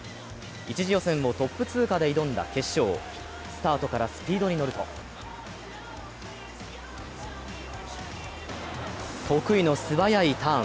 １次予選をトップ通過で挑んだ決勝スタートからスピードに乗ると得意の素早いターン。